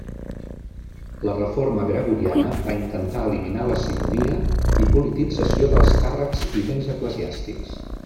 La reforma gregoriana va intentar eliminar la simonia i politització dels càrrecs i béns eclesiàstics.